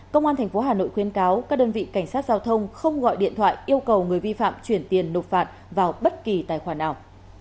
công an tp hà nội khuyến cáo các đơn vị cảnh sát giao thông không gọi điện thoại yêu cầu người vi phạm chuyển tiền nộp phạt vào bất kỳ tài khoản nào